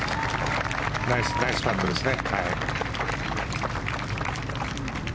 ナイスパットですね。